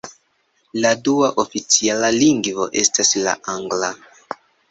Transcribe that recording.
La dua oficiala lingvo estas la angla.